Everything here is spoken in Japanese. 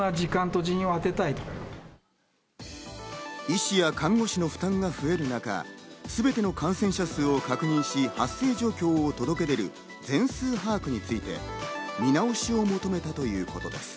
医師や看護師の負担が増える中、全ての感染者数を確認し、発生状況を届け出る全数把握について、見直しを求めたということです。